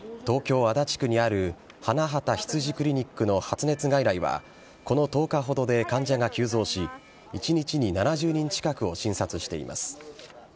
東京・足立区にある、はなはた羊クリニックの発熱外来は、この１０日ほどで患者が急増し、１日に７０人近くを診察しています。